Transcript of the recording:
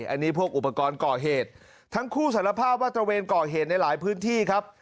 อันนี้พวกอุปกรณ์ก่อเหตุทั้งคู่สารภาพว่าตระเวนก่อเหตุในหลายพื้นที่ครับ